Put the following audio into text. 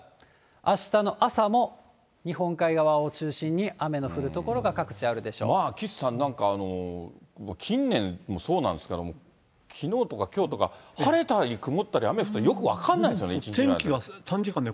あしたの朝も日本海側を中心に、まあ岸さん、なんか近年、そうなんですけれども、きのうとか、きょうとか、晴れたり曇ったり雨降ったり、よく分かんないですよね、一日の間で。